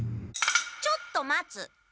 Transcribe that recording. ちょっとまつ。